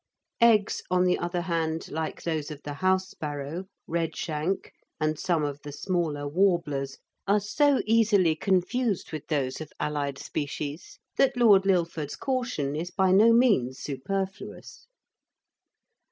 Eggs, on the other hand, like those of the house sparrow, redshank and some of the smaller warblers, are so easily confused with those of allied species that Lord Lilford's caution is by no means superfluous.